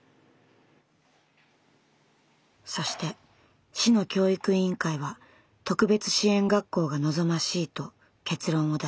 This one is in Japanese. そして市の教育委員会は「特別支援学校が望ましい」と結論を出しました。